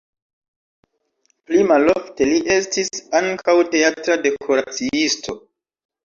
Pli malofte li estis ankaŭ teatra dekoraciisto.